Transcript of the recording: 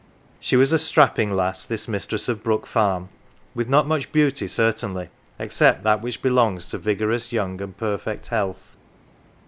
She was a strapping lass, this mistress of Brook Farm, with not much beauty certainly, except that which belongs to vigorous youth and perfect health.